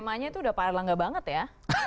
temanya itu udah paralangga banget ya